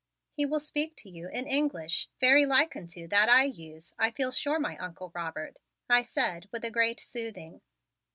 "He will speak to you in English very like unto that I use, I feel sure, my Uncle Robert," I said with a great soothing.